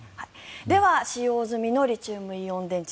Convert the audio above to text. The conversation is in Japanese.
では使用済みのリチウムイオン電池